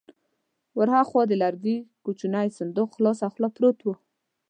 ور هاخوا د لرګي کوچينی صندوق خلاصه خوله پروت و.